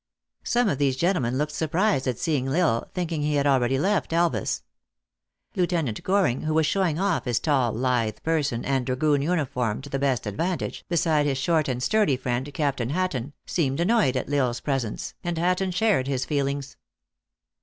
Some of these gentlemen looked surprised at seeing L Isle, thinking he had already left Elvas. Lieutenant Goring, who was showing off his tall lithe person and dragoon uniform to the best advantage, beside his short and sturdy friend, Captain Hatton, seemed annoyed at L Isle s presence, and Hatton shared his feelings.